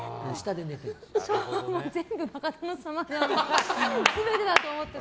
全部、「バカ殿様」が全てだと思ってた。